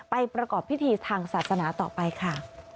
ประกอบพิธีทางศาสนาต่อไปค่ะ